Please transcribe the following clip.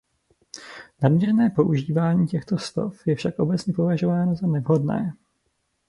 Nadměrné používání těchto slov je však obecně považováno za nevhodné.